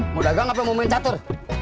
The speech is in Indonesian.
mau dagang apa mau main catur